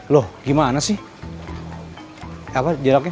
loh gimana sih hai apa jeruknya